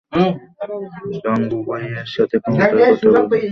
গাঙুবাইয়ের সাথে ক্ষমতার কথা বলে!